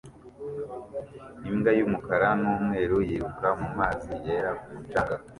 Imbwa y'umukara n'umweru yiruka mu mazi yera ku mucanga